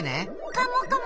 カモカモ。